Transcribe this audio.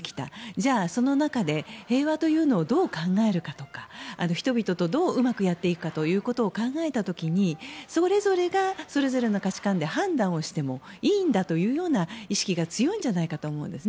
じゃあ、その中で平和というのをどう考えるかとか人々とどううまくやっていくかを考えた時にそれぞれが、それぞれの価値観で判断をしてもいいんだというような意識が強いんじゃないかと思うんです。